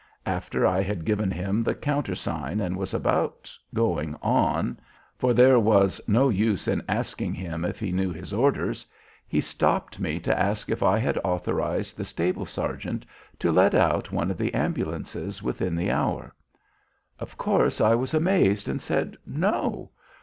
After I had given him the countersign and was about going on, for there was no use in asking him if he knew his orders, he stopped me to ask if I had authorized the stable sergeant to let out one of the ambulances within the hour. Of course I was amazed and said no.